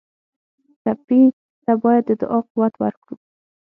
ټپي ته باید د دعا قوت ورکړو.